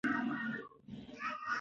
ولې زده کړه ارزښت لري؟